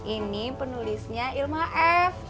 ini penulisnya ilma f